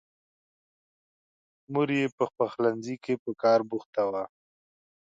مور یې په پخلنځي کې په کار بوخته وه.